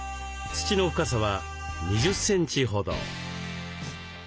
土の深さは２０センチほど。